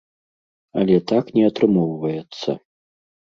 Але так не атрымоўваецца.